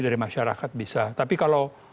dari masyarakat bisa tapi kalau